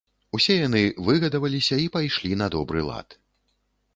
Усе яны выгадаваліся і пайшлі на добры лад.